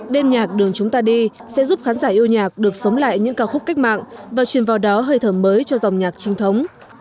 đêm nhạc đường chúng ta đi sẽ giúp khán giả yêu nhạc được sống lại những ca khúc cách mạng và truyền vào đó hơi thở mới cho dòng nhạc trinh thống